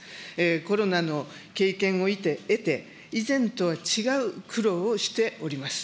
コロナの経験を経て、以前とは違う苦労をしております。